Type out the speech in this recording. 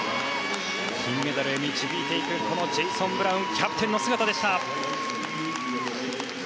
金メダルへ導いていくジェイソン・ブラウンキャプテンの姿でした。